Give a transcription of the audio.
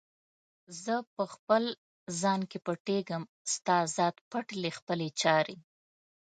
زه په خپل ځان کې پټیږم، ستا ذات پټ له خپلي چارې